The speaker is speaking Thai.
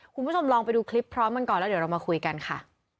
คุณผู้ชมลองไปดูคลิปพร้อมกันก่อนแล้วเดี๋ยวเรามาคุยกันค่ะ